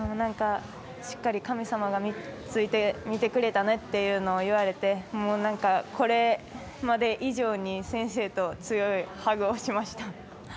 しっかり神様がついて見てくれたねというのを言われてもうなんか、これまで以上に先生と強いハグをしました。